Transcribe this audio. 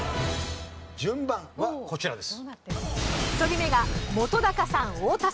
順番はこちらです。